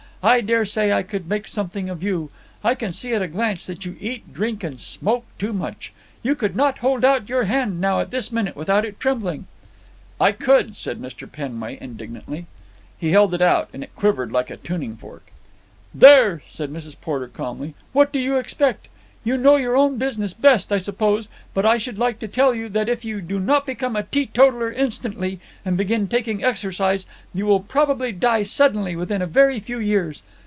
I dare say I could make something of you. I can see at a glance that you eat, drink, and smoke too much. You could not hold out your hand now, at this minute, without it trembling." "I could," said Mr. Penway indignantly. He held it out, and it quivered like a tuning fork. "There!" said Mrs. Porter calmly. "What do you expect? You know your own business best, I suppose, but I should like to tell you that if you do not become a teetotaller instantly, and begin taking exercise, you will probably die suddenly within a very few years.